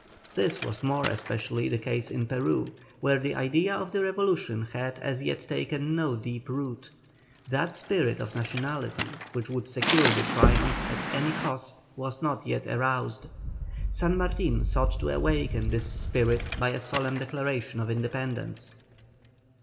This was more especially the case in Peru, where the idea of the revolution had as yet taken no deep root; that spirit of nationality which would secure the triumph at any cost was not yet aroused. San Martin sought to awaken this spirit by a solemn declaration of independence.